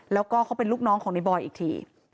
แล้วก็เขาเป็นลูกน้องของในบอยอีกที